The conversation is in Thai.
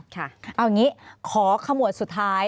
ค่ะเอาอย่างนี้ขอขมวดสุดท้าย